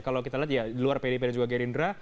kalau kita lihat ya di luar pdip dan juga gerindra